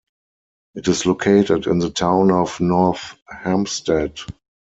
It is located in the Town Of North Hempstead.